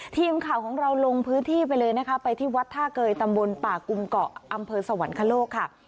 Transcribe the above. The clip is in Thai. ทีมข่าวของเราลงพื้นที่ไปเลยนะคะไปที่วัดท่าเกยตำบลป่ากุมเกาะอำเภอสวรรคโลกค่ะ